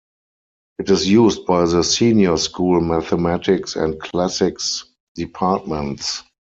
It is used by the Senior School Mathematics and Classics Departments.